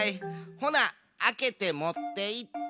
ほなあけてもっていって。